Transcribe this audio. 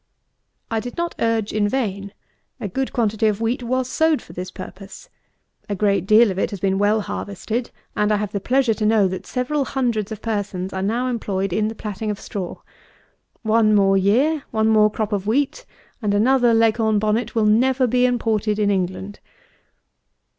I did not urge in vain. A good quantity of wheat was sowed for this purpose. A great deal of it has been well harvested; and I have the pleasure to know that several hundreds of persons are now employed in the platting of straw. One more year; one more crop of wheat; and another Leghorn bonnet will never be imported in England.